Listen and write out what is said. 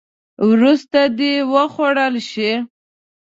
وروسته دې وخوړل شي.